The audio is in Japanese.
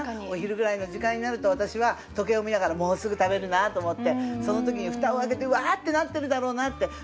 お昼ぐらいの時間になると私は時計を見ながらもうすぐ食べるなと思ってその時に蓋を開けて「わあ！」ってなってるだろうなって。